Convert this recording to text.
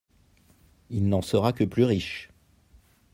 Il n'en sera que plus riche.